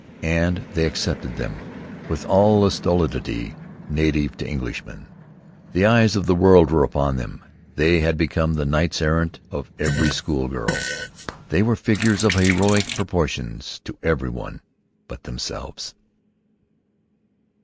And they accepted them with all the stolidity native to Englishmen. The eyes of the world were upon them. They had become the knights errant of every schoolgirl. They were figures of heroic proportions to every one but themselves.